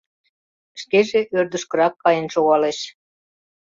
Шкеже ӧрдыжкырак каен шогалеш.